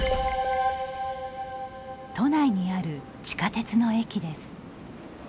都内にある地下鉄の駅です。